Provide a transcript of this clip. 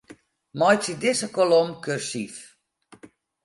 Meitsje dizze kolom kursyf.